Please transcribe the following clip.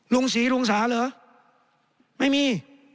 ลุงศรีลุงสาเหรอไม่มี